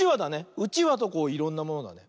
うちわといろんなものだね。